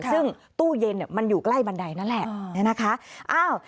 ซึ่งตู้เย็นมันอยู่ใกล้บันไดนั่นแหละ